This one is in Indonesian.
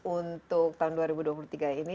untuk tahun dua ribu dua puluh tiga ini